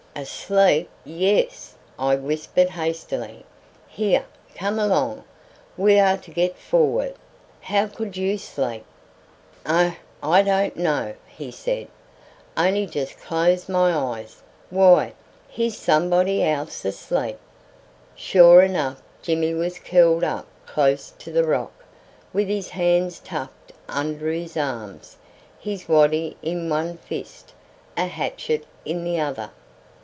"Asleep! yes," I whispered hastily. "Here, come along; we are to get forward. How could you sleep?" "Oh, I don't know!" he said. "I only just closed my eyes. Why, here's somebody else asleep!" Sure enough Jimmy was curled up close to the rock, with his hands tucked under his arms, his waddy in one fist, a hatchet in the other.